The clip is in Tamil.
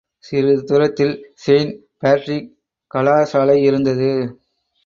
சிறிதுதுரத்தில் செயின்ட் பாட்ரிக் கலாசாலை யிருந்தது.